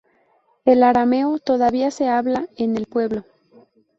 El arameo todavía se habla en el pueblo.